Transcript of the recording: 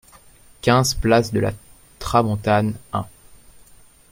quinze place de la Tramontane un